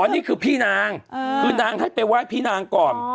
นี่คือพี่นางคือนางให้ไปไหว้พี่นางก่อน